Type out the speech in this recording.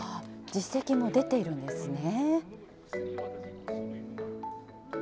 実績も出ているんですね。